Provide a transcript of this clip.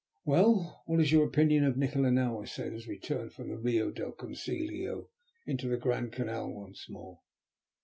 "Well, what is your opinion of Nikola now?" I said, as we turned from the Rio del Consiglio into the Grand Canal once more.